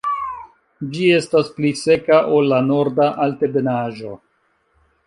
Ĝi estas pli seka ol la Norda Altebenaĵo.